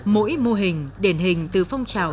mỗi mô hình điển hình từ phong trào